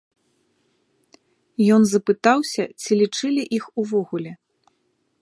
Ён запытаўся, ці лічылі іх увогуле.